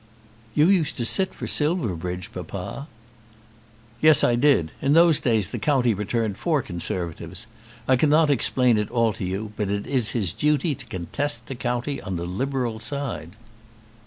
"You used to sit for Silverbridge, papa." "Yes, I did. In those days the county returned four Conservatives. I cannot explain it all to you, but it is his duty to contest the county on the Liberal side."